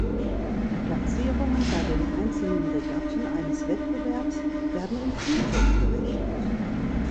Die Platzierungen bei den einzelnen Regatten eines Wettbewerbs werden in Punkte umgerechnet.